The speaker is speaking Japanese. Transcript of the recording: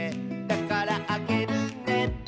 「だからあげるね」